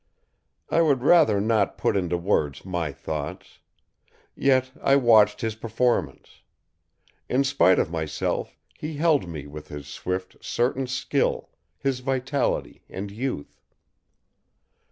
I would rather not put into words my thoughts. Yet, I watched his performance. In spite of myself, he held me with his swift, certain skill, his vitality and youth.